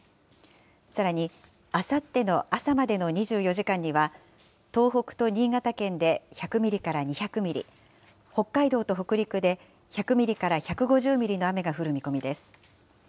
さらに、あさっての朝までの２４時間には、東北と新潟県で１００ミリから２００ミリ、北海道と北陸で１００ミリから１５０ミリの雨が降る見込みです。